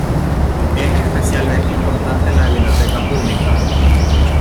Es especialmente importante en la biblioteca pública.